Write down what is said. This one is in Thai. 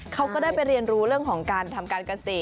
เขาก็ได้ไปเรียนรู้เรื่องของการทำการเกษตร